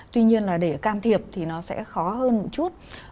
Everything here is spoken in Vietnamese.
tuy nhiên là để can thiệp thì nó sẽ khó hơn một chút